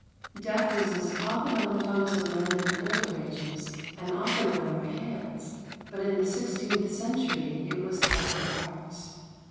Death was as often on the tongues of men in older ages, and oftener in their hands, but in the sixteenth century it was at their hearts.